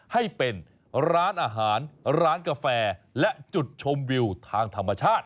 ให้เป็นร้านอาหารร้านกาแฟและจุดชมวิวทางธรรมชาติ